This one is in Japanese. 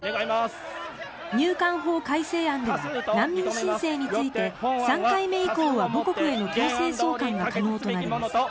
入管法改正案では難民申請について３回目以降は母国への強制送還が可能となります。